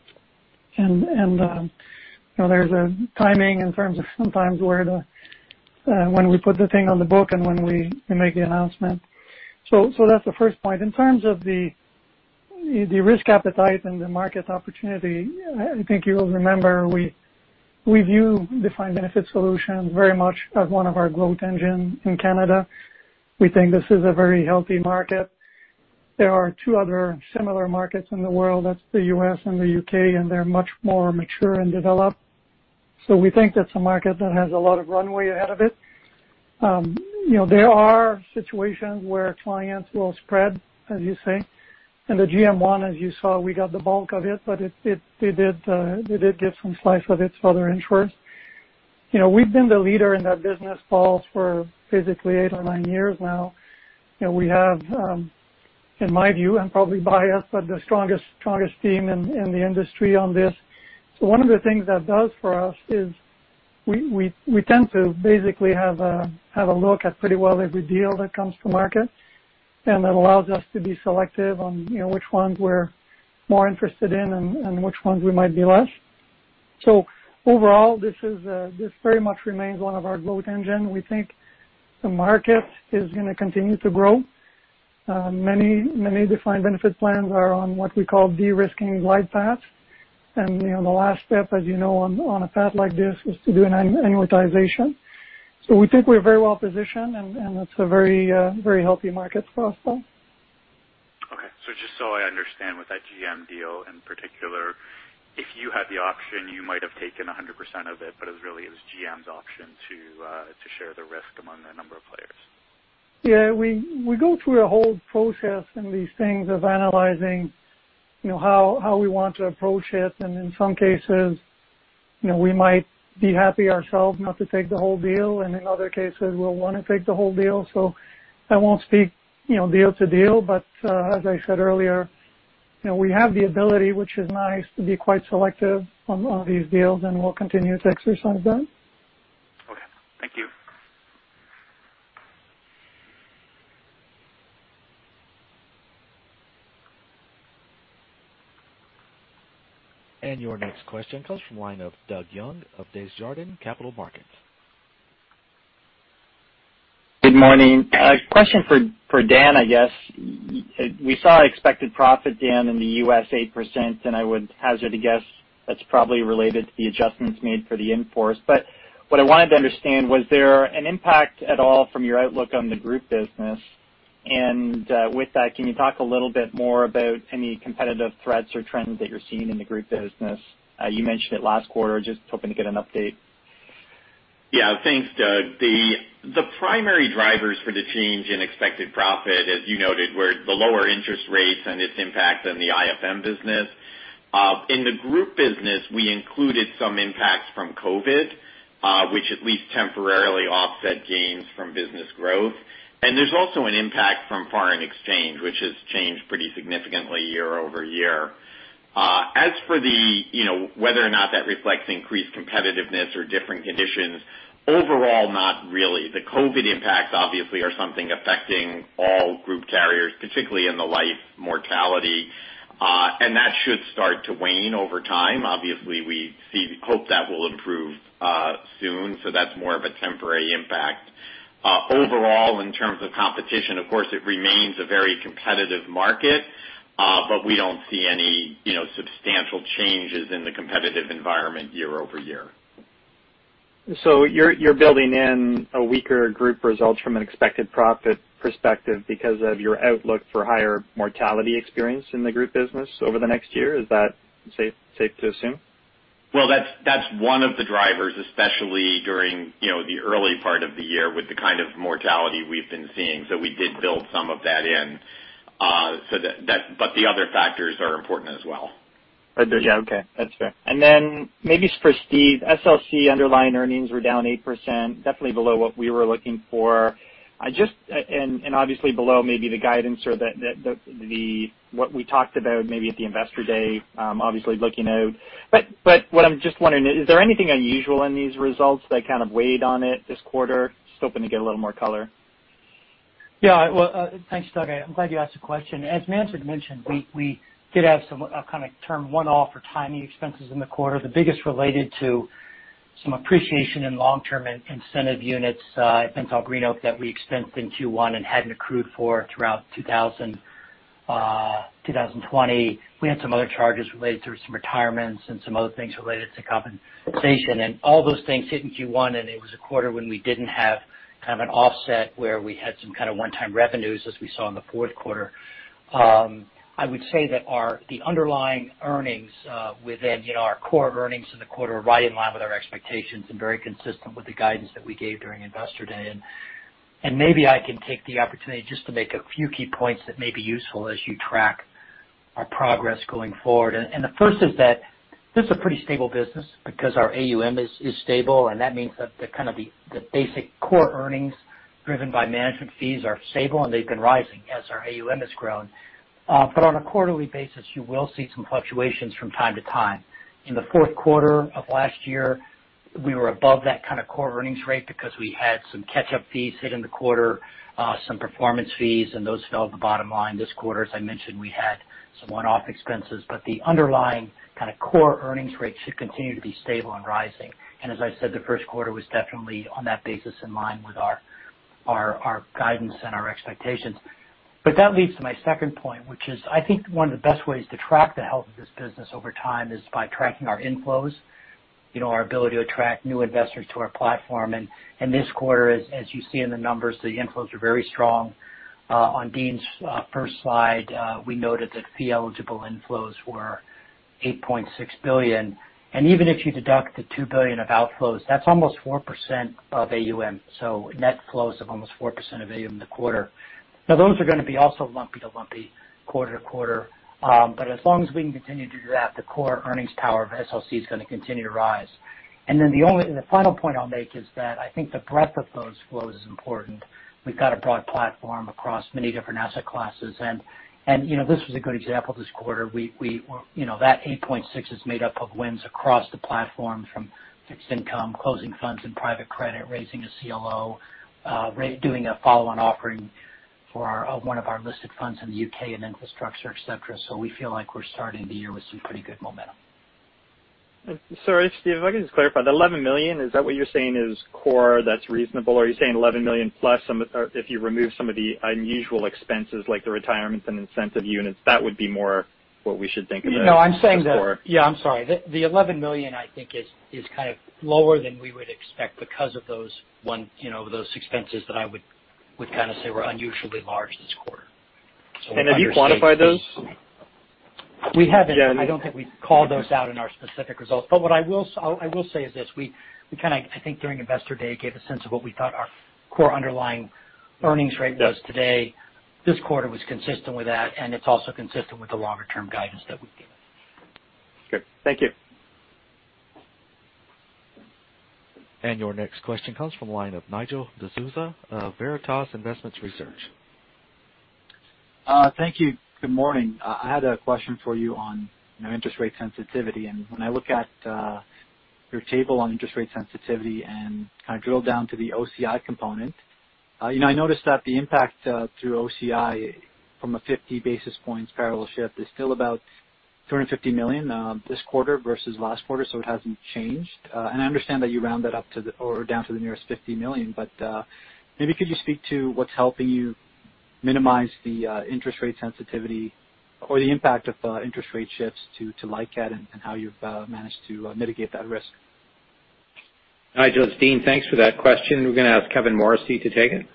Speaker 14: There's a timing in terms of sometimes when we put the thing on the book and when we make the announcement. That's the first point. In terms of the risk appetite and the market opportunity, I think you'll remember, we view defined benefit solutions very much as one of our growth engines in Canada. We think this is a very healthy market. There are two other similar markets in the world, that's the U.S. and the U.K., and they're much more mature and developed. We think that's a market that has a lot of runway ahead of it. There are situations where clients will spread, as you say. In the GMONE, as you saw, we got the bulk of it, but they did get some slice of it to other insurers. We've been the leader in that business, [calls], for physically eight or nine years now. We have, in my view and probably bias, but the strongest team in the industry on this. One of the things that does for us is we tend to basically have a look at pretty well every deal that comes to market, and that allows us to be selective on which ones we're more interested in and which ones we might be less. Overall, this very much remains one of our growth engines. We think the market is going to continue to grow. Many defined benefit plans are on what we call de-risking glide paths. The last step, as you know, on a path like this is to do an amortization. We think we're very well-positioned, and that's a very healthy market for us, Paul.
Speaker 17: Okay. Just so I understand with that GM deal in particular, if you had the option, you might have taken 100% of it, but it really is GM's option to share the risk among a number of players.
Speaker 14: Yeah, we go through a whole process in these things of analyzing how we want to approach it. In some cases we might be happy ourselves not to take the whole deal, and in other cases, we'll want to take the whole deal. I won't speak deal to deal, but as I said earlier, we have the ability, which is nice, to be quite selective on these deals, and we'll continue to exercise that.
Speaker 17: Okay. Thank you.
Speaker 1: Your next question comes from line of Doug Young of Desjardins Capital Markets.
Speaker 18: Good morning. A question for Dan, I guess. We saw expected profit, Dan, in the U.S. 8%. I would hazard a guess that's probably related to the adjustments made for the in-force. What I wanted to understand, was there an impact at all from your outlook on the group business? With that, can you talk a little bit more about any competitive threats or trends that you're seeing in the group business? You mentioned it last quarter. Just hoping to get an update.
Speaker 11: Yeah. Thanks, Doug. The primary drivers for the change in expected profit, as you noted, were the lower interest rates and its impact on the IFM business. In the group business, we included some impacts from COVID, which at least temporarily offset gains from business growth. There's also an impact from foreign exchange, which has changed pretty significantly year-over-year. As for whether or not that reflects increased competitiveness or different conditions, overall, not really. The COVID impacts obviously are something affecting all group carriers, particularly in the life mortality. That should start to wane over time. Obviously, we hope that will improve soon. That's more of a temporary impact. Overall, in terms of competition, of course, it remains a very competitive market, but we don't see any substantial changes in the competitive environment year-over-year.
Speaker 18: You're building in a weaker group result from an expected profit perspective because of your outlook for higher mortality experience in the group business over the next year. Is that safe to assume?
Speaker 11: Well, that's one of the drivers, especially during the early part of the year with the kind of mortality we've been seeing. We did build some of that in. The other factors are important as well.
Speaker 18: Yeah. Okay. That's fair. Then maybe for Steve, SLC underlying earnings were down 8%, definitely below what we were looking for. Obviously below maybe the guidance or what we talked about maybe at the investor day, obviously looking out. What I'm just wondering, is there anything unusual in these results that kind of weighed on it this quarter? Just hoping to get a little more color.
Speaker 7: Thanks, Doug. I'm glad you asked the question. As Manjit mentioned, we did have some what I'll kind of term one-off or timing expenses in the quarter, the biggest related to some appreciation in long-term incentive units at BentallGreenOak that we expensed in Q1 and hadn't accrued for throughout 2020. We had some other charges related to some retirements and some other things related to compensation. All those things hit in Q1, and it was a quarter when we didn't have kind of an offset where we had some kind of one-time revenues as we saw in the fourth quarter. I would say that the underlying earnings within our core earnings in the quarter are right in line with our expectations and very consistent with the guidance that we gave during Investor Day. Maybe I can take the opportunity just to make a few key points that may be useful as you track our progress going forward. The first is that this is a pretty stable business because our AUM is stable, and that means that the basic core earnings driven by management fees are stable, and they've been rising as our AUM has grown. On a quarterly basis, you will see some fluctuations from time to time. In the fourth quarter of last year, we were above that kind of core earnings rate because we had some catch-up fees hit in the quarter, some performance fees, and those fell at the bottom line this quarter. As I mentioned, we had some one-off expenses, but the underlying kind of core earnings rate should continue to be stable and rising. As I said, the first quarter was definitely, on that basis, in line with our guidance and our expectations. That leads to my second point, which is, I think one of the best ways to track the health of this business over time is by tracking our inflows. Our ability to attract new investors to our platform. This quarter, as you see in the numbers, the inflows are very strong. On Dean's first slide, we noted that fee-eligible inflows were 8.6 billion. Even if you deduct the 2 billion of outflows, that's almost 4% of AUM, so net flows of almost 4% of AUM in the quarter. Those are going to be also lumpy quarter to quarter. As long as we can continue to do that, the core earnings power of SLC is going to continue to rise. The final point I'll make is that I think the breadth of those flows is important. We've got a broad platform across many different asset classes, and this was a good example this quarter. That 8.6 is made up of wins across the platform from fixed income, closing funds and private credit, raising a CLO, doing a follow-on offering for one of our listed funds in the U.K. and infrastructure, et cetera. We feel like we're starting the year with some pretty good momentum.
Speaker 18: Sorry, Steve, if I could just clarify. The 11 million, is that what you're saying is core that's reasonable, or are you saying 11 million-plus if you remove some of the unusual expenses like the retirements and incentive units?
Speaker 7: No, I'm saying that.
Speaker 18: The core.
Speaker 7: Yeah, I'm sorry. The 11 million, I think, is kind of lower than we would expect because of those expenses that I would say were unusually large this quarter.
Speaker 18: Have you quantified those?
Speaker 7: We haven't.
Speaker 18: Yeah.
Speaker 7: I don't think we've called those out in our specific results. What I will say is this. We kind of, I think during Investor Day, gave a sense of what we thought our core underlying earnings rate was today. This quarter was consistent with that, and it's also consistent with the longer-term guidance that we've given.
Speaker 18: Okay. Thank you.
Speaker 1: Your next question comes from the line of Nigel D'Souza of Veritas Investment Research.
Speaker 19: Thank you. Good morning. I had a question for you on interest rate sensitivity. When I look at your table on interest rate sensitivity and kind of drill down to the OCI component, I noticed that the impact through OCI from a 50 basis points parallel shift is still about 250 million this quarter versus last quarter, so it hasn't changed. I understand that you round that up to the or down to the nearest 50 million, but maybe could you speak to what's helping you minimize the interest rate sensitivity or the impact of interest rate shifts to LICAT and how you've managed to mitigate that risk?
Speaker 3: Nigel, it's Dean. Thanks for that question. We're going to ask Kevin Morrissey to take it.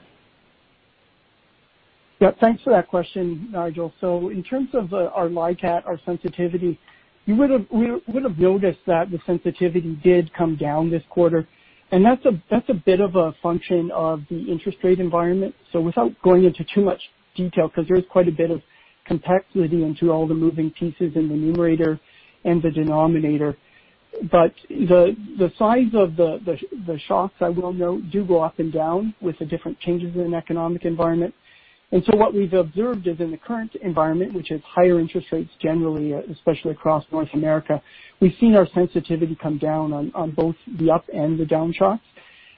Speaker 9: Yeah, thanks for that question, Nigel. In terms of our LICAT, our sensitivity, you would've noticed that the sensitivity did come down this quarter, and that's a bit of a function of the interest rate environment. Without going into too much detail, because there is quite a bit of complexity into all the moving pieces in the numerator and the denominator, but the size of the shocks, I will note, do go up and down with the different changes in economic environment. What we've observed is in the current environment, which is higher interest rates generally, especially across North America, we've seen our sensitivity come down on both the up and the down shocks.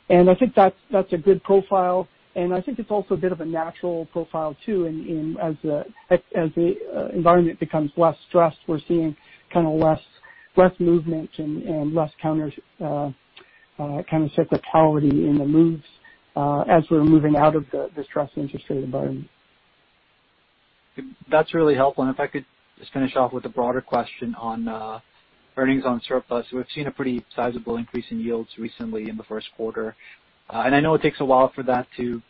Speaker 9: I think that's a good profile, and I think it's also a bit of a natural profile, too. As the environment becomes less stressed, we're seeing kind of less movement and less counter cyclicality in the moves as we're moving out of the stressed interest rate environment.
Speaker 19: That's really helpful. If I could just finish off with a broader question on earnings on surplus. We've seen a pretty sizable increase in yields recently in the first quarter. I know it takes a while for that to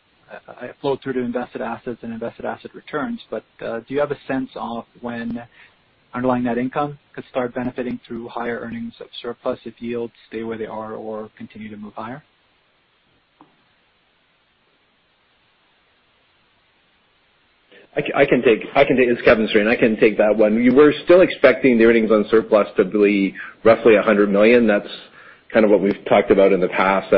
Speaker 19: flow through to invested assets and invested asset returns, but do you have a sense of when underlying net income could start benefiting through higher earnings of surplus if yields stay where they are or continue to move higher?
Speaker 20: It's Kevin Strain. and I can take that one. We're still expecting the earnings on surplus to be roughly 100 million. That's kind of what we've talked about in the past,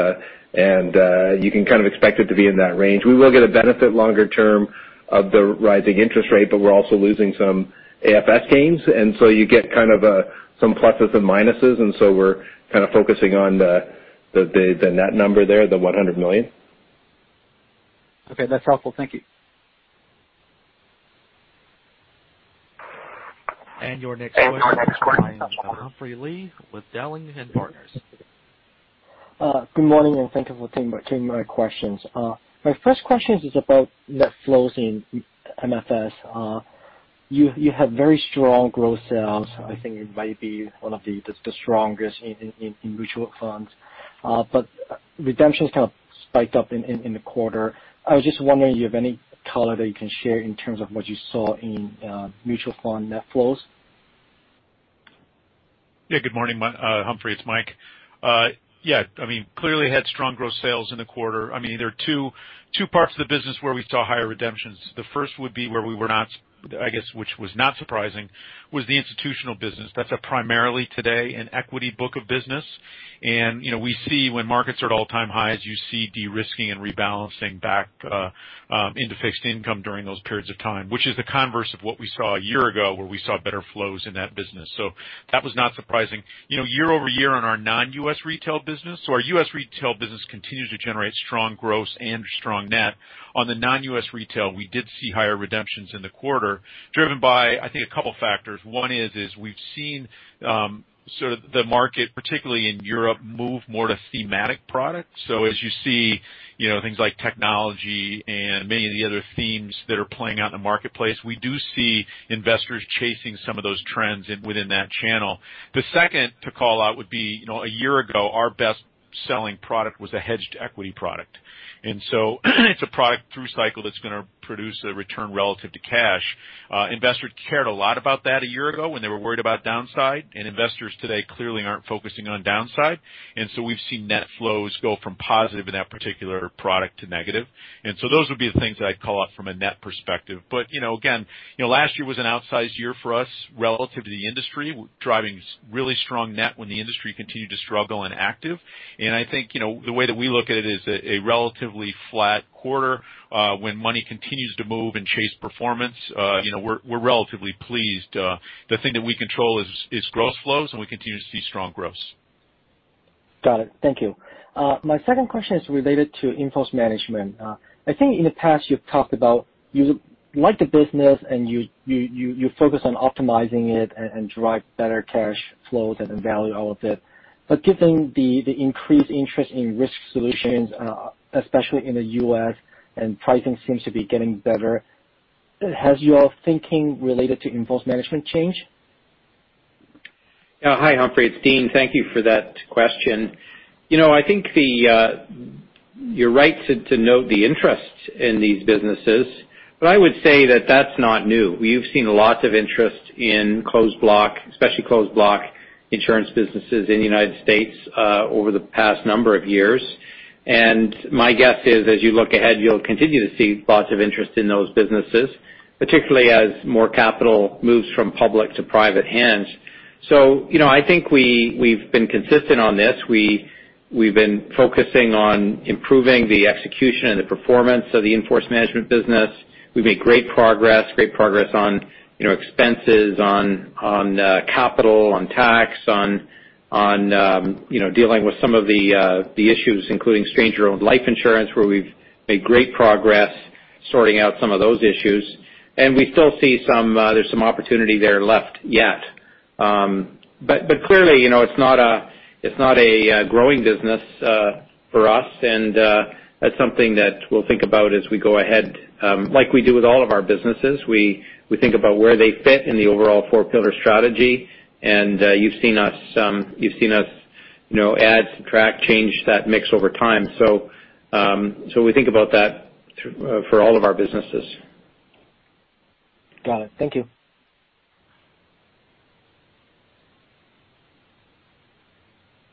Speaker 20: and you can kind of expect it to be in that range. We will get a benefit longer term of the rising interest rate, but we're also losing some AFS gains, and so you get kind of some pluses and minuses, and so we're kind of focusing on the net number there, the 100 million.
Speaker 19: Okay, that's helpful. Thank you.
Speaker 1: Your next question comes from Humphrey Lee with Dowling & Partners.
Speaker 21: Good morning. Thank you for taking my questions. My first question is about net flows in MFS. You have very strong gross sales. I think it might be one of the strongest in mutual funds. Redemptions kind of spiked up in the quarter. I was just wondering if you have any color that you can share in terms of what you saw in mutual fund net flows.
Speaker 13: Good morning, Humphrey. It's Mike. Had strong gross sales in the quarter. There are two parts of the business where we saw higher redemptions. The first would be where we were not, I guess which was not surprising, was the institutional business. That's primarily today an equity book of business. We see when markets are at all-time highs, you see de-risking and rebalancing back into fixed income during those periods of time, which is the converse of what we saw a year ago, where we saw better flows in that business. That was not surprising. Year-over-year on our non-U.S. retail business, our U.S. retail business continues to generate strong gross and strong net. On the non-U.S. retail, we did see higher redemptions in the quarter, driven by, I think, a couple factors. One is, we've seen the market, particularly in Europe, move more to thematic products. As you see things like technology and many of the other themes that are playing out in the marketplace, we do see investors chasing some of those trends within that channel. The second to call out would be, a year ago, our best-selling product was a hedged equity product. It's a product through cycle that's going to produce a return relative to cash. Investors cared a lot about that a year ago when they were worried about downside, and investors today clearly aren't focusing on downside. We've seen net flows go from positive in that particular product to negative. Those would be the things that I'd call out from a net perspective. Again, last year was an outsized year for us relative to the industry, driving really strong net when the industry continued to struggle in active. I think the way that we look at it is a relatively flat quarter, when money continues to move and chase performance. We're relatively pleased. The thing that we control is gross flows, and we continue to see strong gross.
Speaker 21: Got it. Thank you. My second question is related to in-force management. I think in the past, you've talked about you like the business, and you focus on optimizing it and drive better cash flows and the value out of it. Given the increased interest in risk solutions, especially in the U.S., and pricing seems to be getting better, has your thinking related to in-force management changed?
Speaker 3: Hi, Humphrey. It's Dean. Thank you for that question. I would say that that's not new. We've seen lots of interest in closed block, especially closed block insurance businesses in the U.S., over the past number of years. My guess is, as you look ahead, you'll continue to see lots of interest in those businesses, particularly as more capital moves from public to private hands. I think we've been consistent on this. We've been focusing on improving the execution and the performance of the in-force management business. We've made great progress on expenses, on capital, on tax, on dealing with some of the issues, including stranger-owned life insurance, where we've made great progress sorting out some of those issues. We still see there's some opportunity there left yet. Clearly, it's not a growing business for us, and that's something that we'll think about as we go ahead. Like we do with all of our businesses, we think about where they fit in the overall four-pillar strategy. You've seen us add, subtract, change that mix over time. We think about that for all of our businesses.
Speaker 21: Got it. Thank you.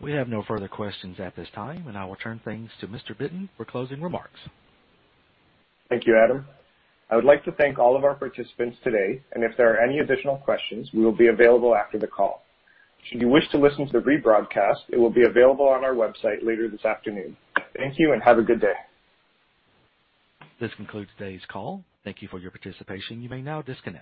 Speaker 1: We have no further questions at this time. I will turn things to Mr. Yaniv Bitton for closing remarks.
Speaker 2: Thank you, Adam. I would like to thank all of our participants today. If there are any additional questions, we will be available after the call. Should you wish to listen to the rebroadcast, it will be available on our website later this afternoon. Thank you, and have a good day.
Speaker 1: This concludes today's call. Thank you for your participation. You may now disconnect.